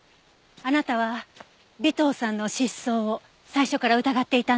あなたは尾藤さんの失踪を最初から疑っていたんですね？